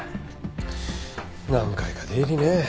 何回か出入りねえ。